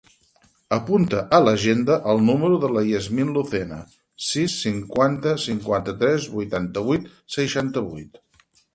Apunta a l'agenda el número de la Yasmine Lucena: sis, cinquanta, cinquanta-tres, vuitanta-vuit, seixanta-vuit.